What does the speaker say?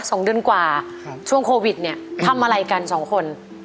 สองเดือนกว่าครับช่วงโควิดเนี้ยทำอะไรกันสองคน